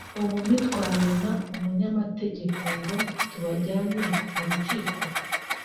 ubu ntitwabona umunyamategeko ngo tubajyanye mu rukiko